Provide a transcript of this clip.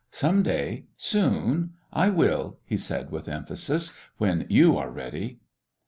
"Some day soon. I will," he said with emphasis, "when you are ready."